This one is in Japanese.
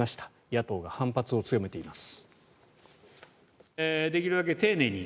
野党が反発を強めています。